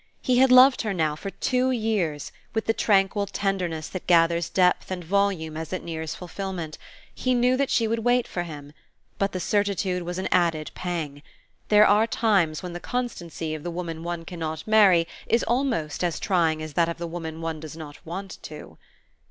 He had loved her now for two years, with the tranquil tenderness that gathers depth and volume as it nears fulfilment; he knew that she would wait for him but the certitude was an added pang. There are times when the constancy of the woman one cannot marry is almost as trying as that of the woman one does not want to.